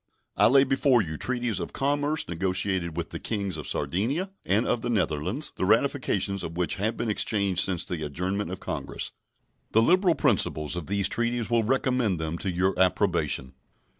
I lay before you treaties of commerce negotiated with the Kings of Sardinia and of the Netherlands, the ratifications of which have been exchanged since the adjournment of Congress. The liberal principles of these treaties will recommend them to your approbation.